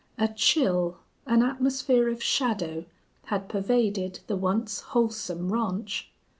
A chill, an atmosphere of shadow, had pervaded the once wholesome ranch.